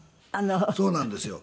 そうなんですよ。